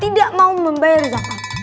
tidak mau membayar zakat